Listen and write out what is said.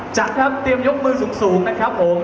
จั๊กต๊าปเตียงยกมือสูงนะครับผม